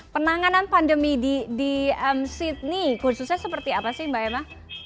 penanganan pandemi di sydney khususnya seperti apa sih mbak emma